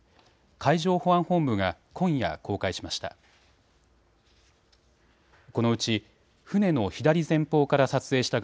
海上保安本部が今夜、公開しました。